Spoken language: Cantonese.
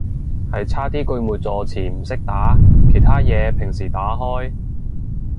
係差啲句末助詞唔識打，其他嘢平時打開